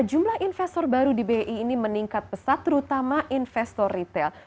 jumlah investor baru di bi ini meningkat pesat terutama investor retail